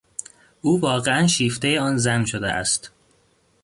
او واقعا شیفتهی آن زن شده است.